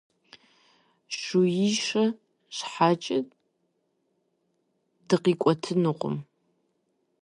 Шууищэ щхьэкӀэ дыкъикӀуэтынукъым.